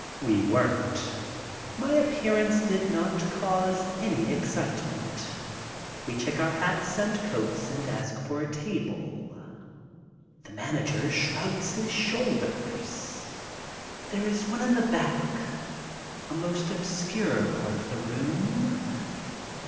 We weren't. My appearance did not cause any excitement. We check our hats and coats and ask for a table. The man ager shrugs his shoulders. There is one in the back, a most MY VISIT TO GERMANY 117 obscure part of the room.